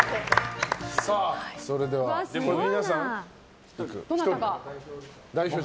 それでは、皆さんで？